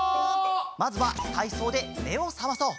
まずはたいそうでめをさまそう！